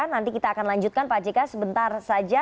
nanti kita akan lanjutkan pak jk sebentar saja